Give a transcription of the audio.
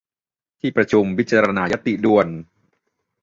ที่ประชุมพิจารณาญัตติด่วน